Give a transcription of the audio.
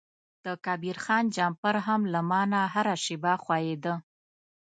د کبیر خان جمپر هم له ما نه هره شیبه ښویده.